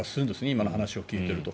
今の話を聞いていると。